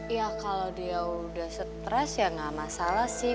ya kalau dia udah stress ya gak masalah sih